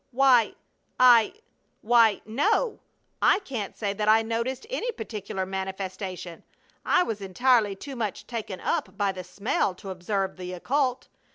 "Why I Why no! I can't say that I noticed any particular manifestation. I was entirely too much taken up by the smell to observe the occult.